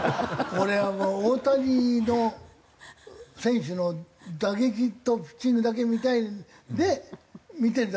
俺はもう大谷選手の打撃とピッチングだけ見たいんで見てるだけで。